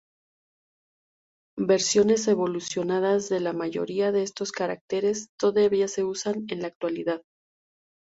Versiones evolucionadas de la mayoría de estos caracteres todavía se usan en la actualidad.